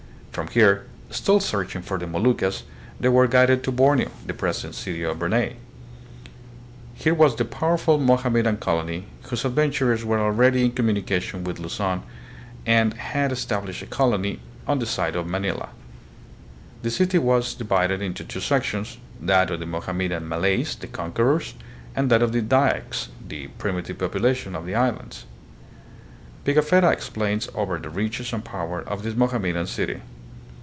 From here, still searching for the Moluccas, they were guided to Borneo, the present city of Brunei. Here was the powerful Mohammedan colony, whose adventurers were already in communication with Luzon and had es tablished a colony on the site of Manila. The city was divided into two sections, that of the Mohammedan Ma lays, the conquerors, and that of the Dyaks, the primi tive population of the island. Pigafetta exclaims over the riches and power of this Mohammedan city.